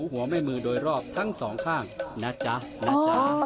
หัวแม่มือโดยรอบทั้งสองข้างนะจ๊ะนะจ๊ะ